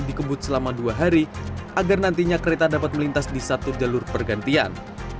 dikebut selama dua hari agar nantinya kereta dapat melintas di satu jalur pergantian